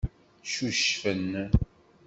Ccucfen.